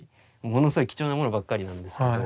ものすごい貴重なものばっかりなんですけど。